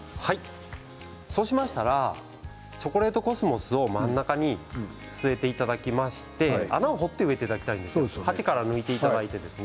チョコレートコスモスを真ん中に据えていただきまして穴を掘って植えていただきたいんです。